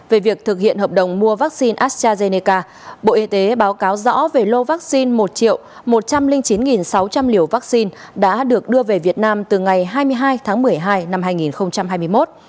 về việc thực hiện hợp đồng mua vaccine astrazeneca bộ y tế báo cáo rõ về lô vaccine một một trăm linh chín sáu trăm linh liều vaccine đã được đưa về việt nam từ ngày hai mươi hai tháng một mươi hai năm hai nghìn hai mươi một